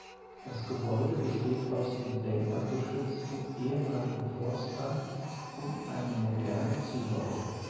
Das Gebäude besteht aus dem denkmalgeschützten ehemaligen Forstamt und einem modernen Zubau.